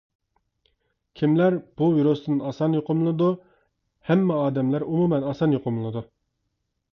كىملەر بۇ ۋىرۇستىن ئاسان يۇقۇملىنىدۇ؟ ھەممە ئادەملەر ئومۇمەن ئاسان يۇقۇملىنىدۇ.